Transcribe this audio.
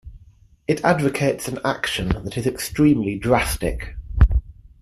It advocates an action that is extremely drastic.